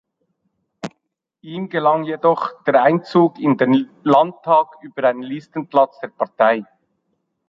Ihm gelang jedoch der Einzug in den Landtag über ein Listenplatz der Partei.